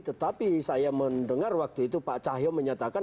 tetapi saya mendengar waktu itu pak cahyo menyatakan